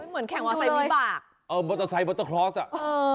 เหมือนแข่งมอไซควิบากเออมอเตอร์ไซค์มอเตอร์คลอสอ่ะเออ